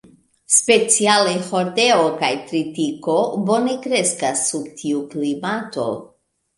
Speciale hordeo kaj tritiko bone kreskas sub tiu klimato.